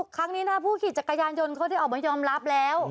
ครั้งนี้นะผู้ขี่จักรยานยนต์เขาได้ออกมายอมรับแล้ว